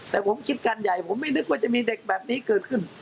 แต่ผมคิดการใหญ่ผมไม่นึกว่าจะมีเด็กแบบนี้เกิดขึ้น